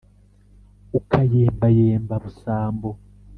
ukayembayemba busambo